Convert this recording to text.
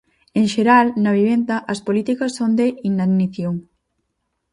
En xeral, na vivenda as políticas son de inanición.